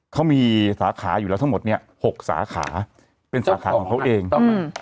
เขามีสาขาอยู่แล้วทั้งหมดเนี้ยหกสาขาเป็นสาขาของเขาเองอืม